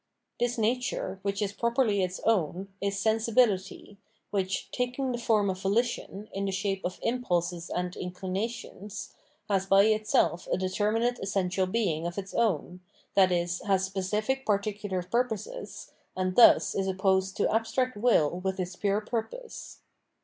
This nature, which is properly its own, is sensibility, which, taking the form of volition, in the shape of ImpiJses a^nd Inclinations, has by itself a determinate essential being of its own, i.e. has specific particular purposes, and thus is opposed to abstract will with its pure purpose.